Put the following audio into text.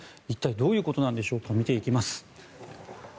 一体どういうことなんでしょうか見ていきます。